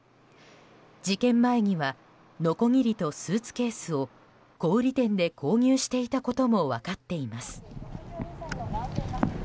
事件前には、のこぎりとスーツケースを小売店で購入していたことも分かっています。